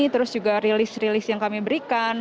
terus juga rilis rilis yang kami berikan